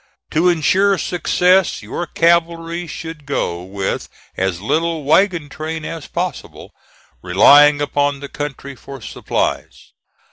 "To insure success your cavalry should go with as little wagon train as possible, relying upon the country for supplies.